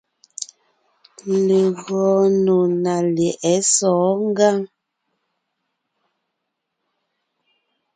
Legɔɔn nò ná lyɛ̌ʼɛ sɔ̌ɔn ngǎŋ.